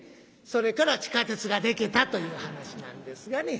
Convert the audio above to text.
それから地下鉄が出来たという話なんですがね。